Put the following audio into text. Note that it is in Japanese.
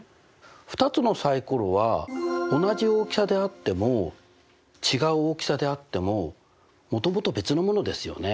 ２つのサイコロは同じ大きさであっても違う大きさであってももともと別のものですよね。